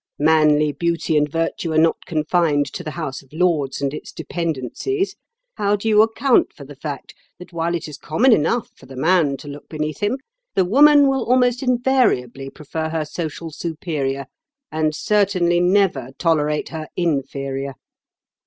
Manly beauty and virtue are not confined to the House of Lords and its dependencies. How do you account for the fact that while it is common enough for the man to look beneath him, the woman will almost invariably prefer her social superior, and certainly never tolerate her inferior?